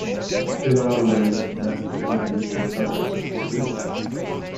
It operates domestic and regional cargo services.